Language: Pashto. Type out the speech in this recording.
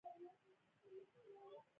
هغه څوک نیکمرغي او بریالیتوب تر لاسه کولی شي.